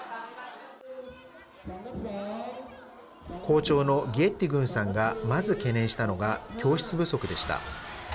校長のギェッティグーンさんが、まず懸念したのが、教室不足でした。